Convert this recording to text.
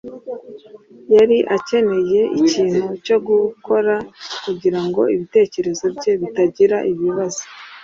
yari akeneye ikintu cyo gukora kugirango ibitekerezo bye bitagira ibibazo